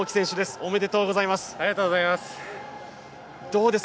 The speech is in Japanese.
ありがとうございます。